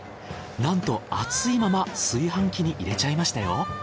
なんと熱いまま炊飯器に入れちゃいましたよ。